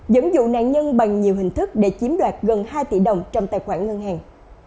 dẫn dụ nạn nhân bằng nhiều hình thức để chiếm đoạt gần hai tỷ đồng trong tài khoản ngân hàng